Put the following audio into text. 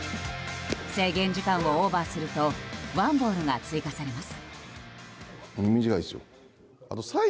制限時間をオーバーするとワンボールが追加されます。